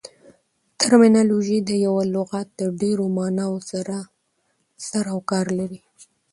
ټرمینالوژي د یوه لغات د ډېرو ماناوو سره سر او کار لري.